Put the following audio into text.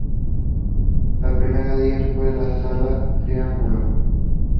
La primera de ellas fue la Sala Triángulo.